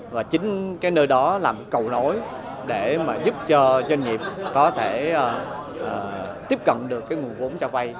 và chính cái nơi đó làm cầu nối để mà giúp cho doanh nghiệp có thể tiếp cận được cái nguồn vốn cho vay